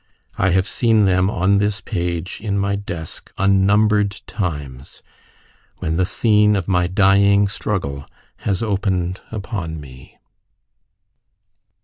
I have seen them on this page in my desk unnumbered times, when the scene of my dying struggle has opened upon me